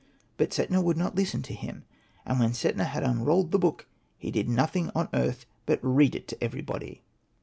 '' But Setna would not listen to him ; and when ~ Setna had unrolled the book he did nothing on earth but read it to everybody.